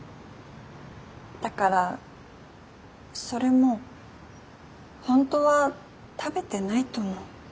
だからそれも本当は食べてないと思う。